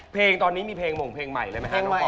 เพลงตอนนี้มีเพลงของเพลงใหม่เลยมั้ยฮะเนาะคอ